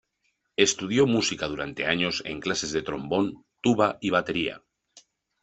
Estudió música durante años en clases de trombón, tuba y batería.